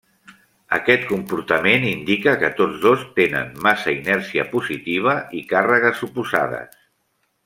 Aquest comportament indica que tots dos tenen massa inercial positiva i càrregues oposades.